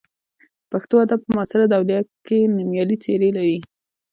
پښتو ادب په معاصره دوره کې نومیالۍ څېرې لري.